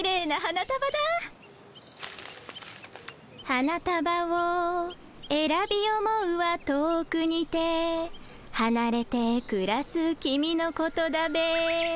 「花たばをえらび思うは遠くにてはなれてくらす君のことだべ」。